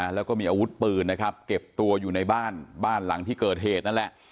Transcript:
แล้วก็มีอาวุธปืนนะครับเก็บตัวอยู่ในบ้านบ้านหลังที่เกิดเหตุนั่นแหละ